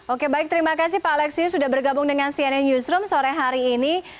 oke baik terima kasih pak alex ini sudah bergabung dengan cnn newsroom sore hari ini